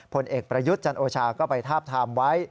ผลเอกประยุทธ์จันโอชาก็ไปทาบทามไว้